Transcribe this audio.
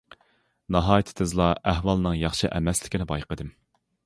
ناھايىتى تېزلا ئەھۋالنىڭ ياخشى ئەمەسلىكىنى بايقىدىم.